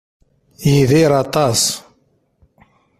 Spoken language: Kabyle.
Yidir aṭas.